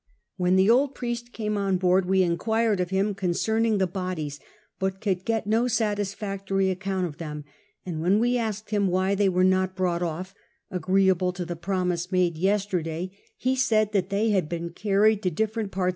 When the old priest came on board we inquired of him i66 CAPTAIN COOK • hap. concerning the bodies, but could get no snlisfuctory iuu «mnt. of them ; and when we asked him why they were ind brouglit. off, agreeable to the promise made yestertlay, he said that they had been carried to different i)art.